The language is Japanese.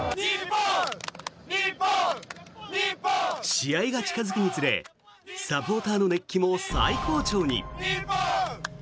試合が近付くにつれサポーターの熱気も最高潮に。